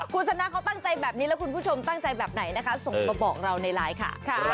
คุณชนะเขาตั้งใจแบบนี้แล้วคุณผู้ชมตั้งใจแบบไหนนะคะส่งมาบอกเราในไลน์ค่ะ